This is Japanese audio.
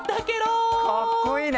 かっこいいね。